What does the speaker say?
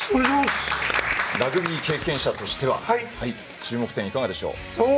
ラグビー経験者としては注目点いかがでしょう。